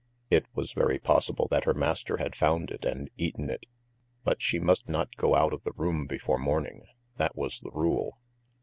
It was very possible that her master had found it and eaten it. But she must not go out of the room before morning, that was the rule.